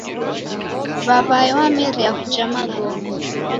W'aw'ae wamerie kuja magome.